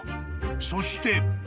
［そして］